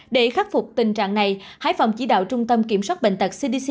để khắc phục tình trạng này hải phòng chỉ đạo trung tâm kiểm soát bệnh tật cdc